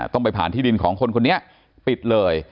ต้องไปผ่านที่ดินของคนคนนี้ปิดเลย